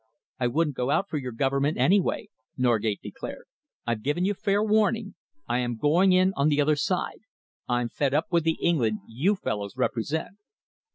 "I wouldn't go out for your Government, anyway," Norgate declared. "I've given you fair warning. I am going in on the other side. I'm fed up with the England you fellows represent."